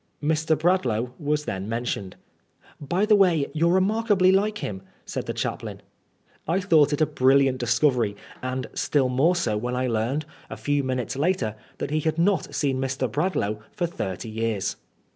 *' Mr. Bradlaugh was then mentioned. " By the way, you're remarkably like him," said the chaplain. I thought it a brilliant discovery, and still more so when I learned, a few minutes later, that he had not seen Mr. Bradlaugh for thirty years.